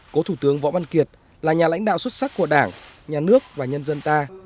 cố thủ tướng võ văn kiệt là nhà lãnh đạo xuất sắc của đảng nhà nước và nhân dân ta